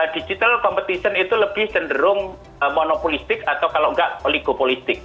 digital competition itu lebih cenderung monopolistik atau kalau enggak oligopolistik